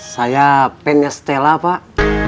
saya pengen lihat stella pak